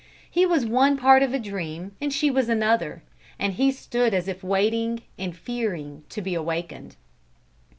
He was one part of a dream and she another, and he stood as if waiting, and fearing, to be awakened.